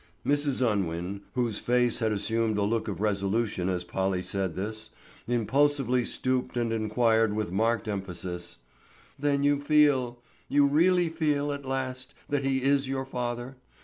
Mrs. Unwin, whose face had assumed a look of resolution as Polly said this, impulsively stooped and inquired with marked emphasis, "Then you feel—you really feel at last, that he is your father?